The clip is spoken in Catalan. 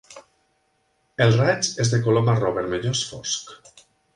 El raig és de color marró vermellós fosc.